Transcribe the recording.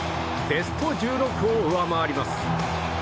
ベスト１６を上回ります。